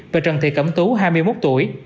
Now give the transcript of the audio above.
và trần thị cẩm tú hai mươi một tuổi